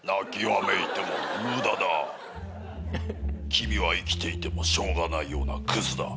・君は生きていてもしょうがないようなクズだ。